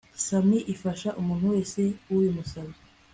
Sam ifasha umuntu wese ubimusabye